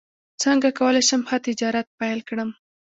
څنګه کولی شم ښه تجارت پیل کړم